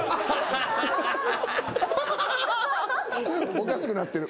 おかしくなってる。